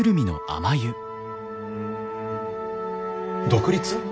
独立？